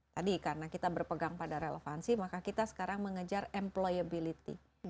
tadi karena kita berpegang pada relevansi maka kita sekarang mengejar employability